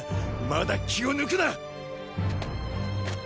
まだ気を抜くなっ！